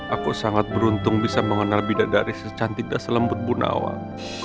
aku sangat beruntung bisa mengenal bidadari secantik dan selembut bunda awal